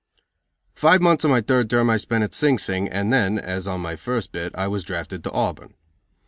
Five months of my third term I spent at Sing Sing, and then, as on my first bit, I was drafted to Auburn.